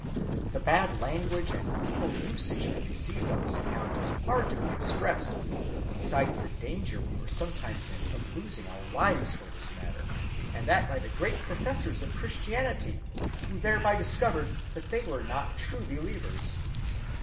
The bad language and evil usage we received on this account is hard to be expressed, besides the danger we were sometimes in of losing our lives for this matter, and that by the great professors of Christianity, who thereby discovered they were not true believers.